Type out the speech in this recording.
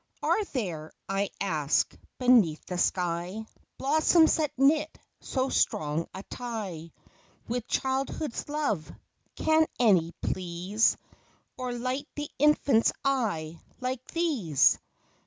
Are there, I ask, beneath the sky Blossoms that knit so strong a tie With Childhood's love ? can any please Or light the infant eye like these